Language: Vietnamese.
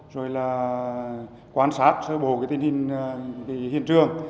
rồi là quan sát sơ bộ tin hình hiện trường